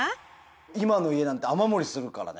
今の家なんて雨漏りするからね。